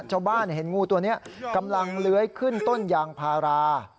ชาวบ้านเห็นงูตัวนี้กำลังเลื้อยขึ้นต้นยางพารา